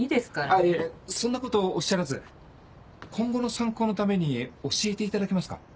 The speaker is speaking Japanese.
あそんなことおっしゃらず今後の参考のために教えていただけますか？